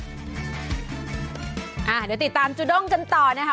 เดี๋ยวติดตามจูด้งกันต่อนะคะ